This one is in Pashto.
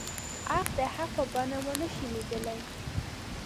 حق د حق په بڼه ونه شي ليدلی.